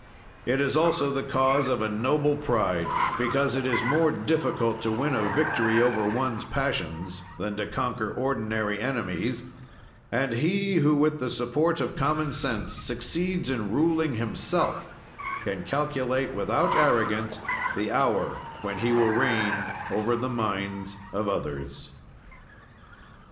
It is also the cause of a noble pride, because it is more difficult to win a victory over one's passions than to conquer ordinary enemies, and he who, with the support of common sense, succeeds in ruling himself, can calculate, without arrogance, the hour when he will reign over the minds of others.